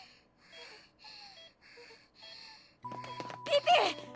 ピピ！